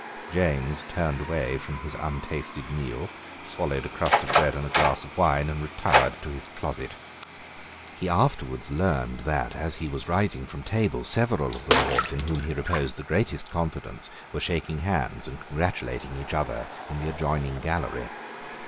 James turned away from his untasted meal, swallowed a crust of bread and a glass of wine, and retired to his closet. He afterwards learned that, as he was rising from table, several of the Lords in whom he reposed the greatest confidence were shaking hands and congratulating each other in the adjoining gallery.